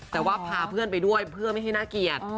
แต่ว่าพาเพื่อนไปด้วยเพื่อไม่ให้น่าเกลียด